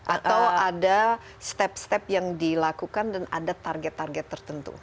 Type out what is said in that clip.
atau ada step step yang dilakukan dan ada target target tertentu